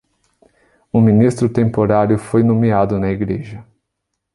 Um ministro temporário foi nomeado na igreja.